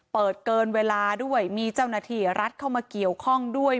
เปิดเกินเวลาด้วยมีเจ้าหน้าที่รัฐเข้ามาเกี่ยวข้องด้วย